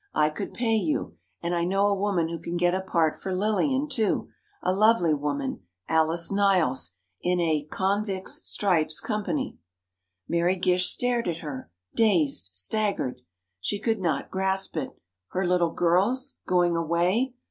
I could pay you; and I know a woman who can get a part for Lillian, too. A lovely woman, Alice Niles, in a 'Convict Stripes' Company." Mary Gish stared at her, dazed, staggered. She could not grasp it. Her little girls ... going away